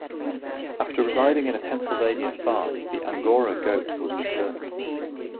After residing in a Pennsylvania farm, the Angora goat was returned.